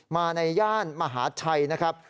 มาในย่านมหาชัยนะครับ